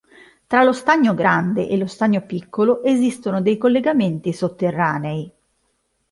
Tra lo Stagno Grande e lo Stagno Piccolo esistono dei collegamenti sotterranei.